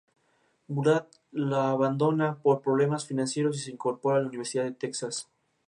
Juega de defensor, y su equipo actual es Quilmes, de la Primera B Nacional.